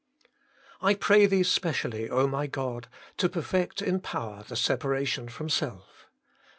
1 pray Thee especially, my God, to perfect in power the separation from self!